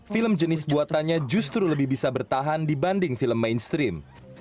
film jenis buatannya justru lebih bisa bertahan dibanding film mainstream